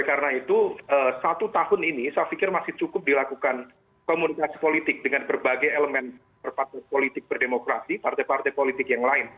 karena itu satu tahun ini saya pikir masih cukup dilakukan komunikasi politik dengan berbagai elemen partai politik berdemokrasi partai partai politik yang lain